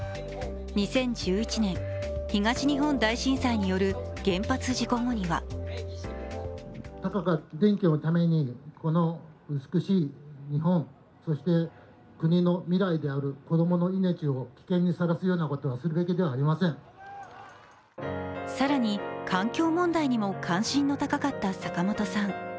２０１１年、東日本大震災による原発事故後には更に環境問題にも関心の高かった坂本さん。